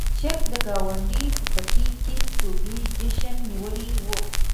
چرګې د ګاونډي په پټي کې د سوبې جشن نيولی و.